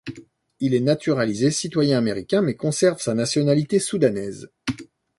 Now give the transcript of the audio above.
Il est naturalisé citoyen américain, mais conserve sa nationalité soudanaise.